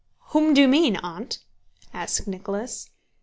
"Whom do you mean, Aunt?" asked Nicholas.